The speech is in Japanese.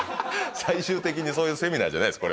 最終的にそういうセミナーじゃないです